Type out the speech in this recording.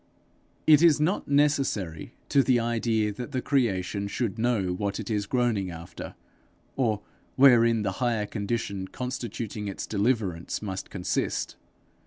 It is not necessary to the idea that the creation should know what it is groaning after, or wherein the higher condition constituting its deliverance must consist.